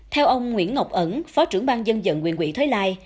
theo ông nguyễn ngọc ẩn phó trưởng bang dân dận huyện huyện thới lai